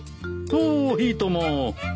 おいいとも。